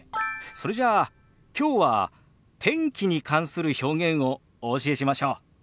それじゃあきょうは天気に関する表現をお教えしましょう。